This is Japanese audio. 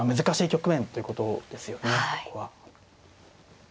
ここは。